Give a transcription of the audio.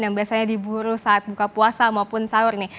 yang biasanya diburu saat buka puasa maupun sahur nih